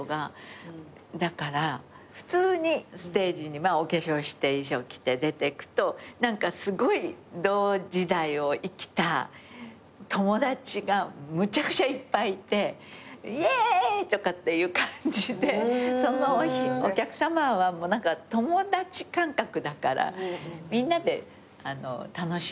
だから普通にステージにお化粧して衣装着て出てくと同時代を生きた友達がむちゃくちゃいっぱいいてイェーイ！とかっていう感じでお客さまは友達感覚だからみんなで楽しんでるっていう感じなんで。